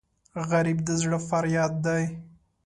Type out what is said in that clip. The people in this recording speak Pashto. غریب د زړه فریاد دی